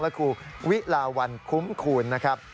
และครูวิลาวันคุ้มคูณนะครับ